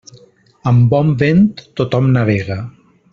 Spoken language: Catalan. Amb bon vent, tothom navega.